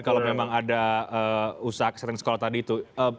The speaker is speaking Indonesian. kalau memang ada usaha kesehatan sekolah tadi itu